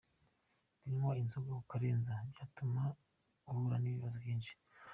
Kunywa inzoga akarenza byatumye ahura n’ibibazo byinshi.